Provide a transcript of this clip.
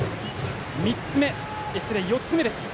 ４つ目です。